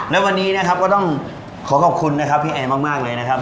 และวันนี้นะครับก็ต้องขอขอบคุณนะครับพี่แอนมากเลยนะครับ